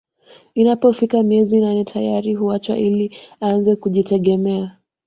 Inapofika miezi nane tayari huachwa ili aanze kujitegemea